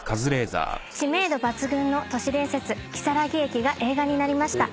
知名度抜群の都市伝説きさらぎ駅が映画になりました。